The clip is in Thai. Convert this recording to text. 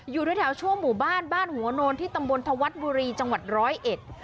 อยู่แถวชั่วหมู่บ้านบ้านหัวโนนที่ตำบลธวัฒน์บุรีจังหวัดร้อยเอ็ด